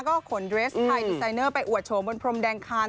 ก็ขนเดรสไทยดีไซเนอร์ไปอวดโฉมบนพรมแดงคาน